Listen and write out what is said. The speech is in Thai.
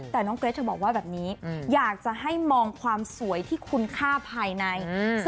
แต่น้องเกรทเธอบอกว่าแบบนี้อยากจะให้มองความสวยที่คุณค่าภายใน